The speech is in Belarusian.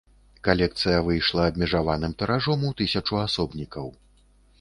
Калекцыя выйшла абмежаваным тыражом у тысячу асобнікаў.